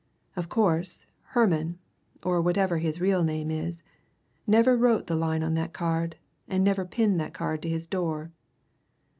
Of course, Herman, or whatever his real name is, never wrote the line on that card, and never pinned that card on his door!"